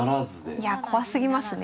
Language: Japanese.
いやあ怖すぎますね。